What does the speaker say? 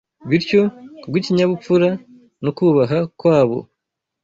bityo kubw’ikinyabupfura no kubaha kwabo